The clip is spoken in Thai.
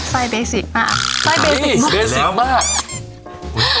ไส้เบสิกมาก